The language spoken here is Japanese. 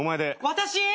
私！？